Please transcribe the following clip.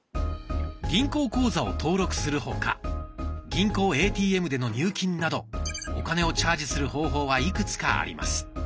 銀行口座を登録するほか銀行ＡＴＭでの入金などお金をチャージする方法はいくつかあります。